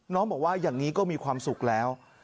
บอกว่าอย่างนี้ก็มีความสุขแล้ว